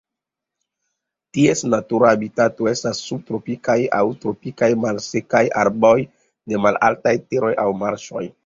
Ties natura habitato estas subtropikaj aŭ tropikaj malsekaj arbaroj de malaltaj teroj aŭ marĉoj.